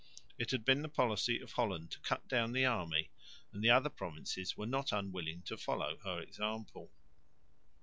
It had been the policy of Holland to cut down the army, and the other provinces were not unwilling to follow her example.